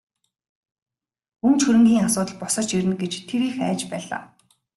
Өмч хөрөнгийн асуудал босож ирнэ гэж тэр их айж байлаа.